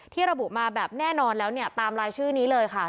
ระบุมาแบบแน่นอนแล้วเนี่ยตามรายชื่อนี้เลยค่ะ